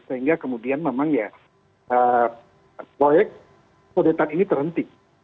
sehingga kemudian memang ya proyek sodetan ini terhenti